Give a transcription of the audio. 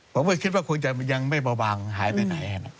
ผมก็คิดว่าคงจะยังไม่เบาบางหายไปไหน